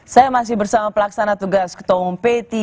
saya masih bersama pelaksana tugas ketua umum p tiga